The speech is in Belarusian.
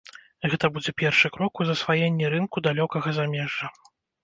Гэта будзе першы крок у засваенні рынку далёкага замежжа.